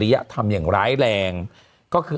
มันติดคุกออกไปออกมาได้สองเดือน